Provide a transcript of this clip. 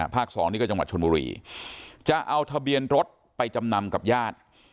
๒นี่ก็จังหวัดชนบุรีจะเอาทะเบียนรถไปจำนำกับญาติ